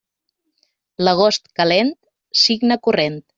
L'agost calent, cigne corrent.